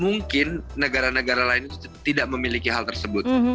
mungkin negara negara lainnya tidak memiliki hal tersebut